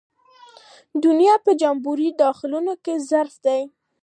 دنیا به د جمبوري د خولې ظرفیت ته په حیرت وکتل.